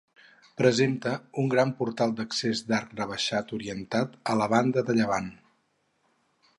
Presenta un gran portal d'accés d'arc rebaixat orientat a la banda de llevant.